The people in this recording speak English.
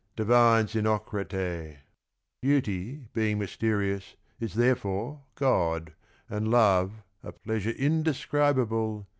Divine Xenocrate ! Beauty being mysterious is therefore God, And love a pleasure indescribable.